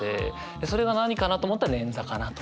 それが何かなと思ったら捻挫かなと。